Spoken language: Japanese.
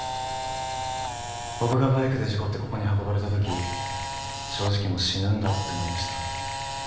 僕がバイクで事故ってここに運ばれた時正直もう死ぬんだって思いました。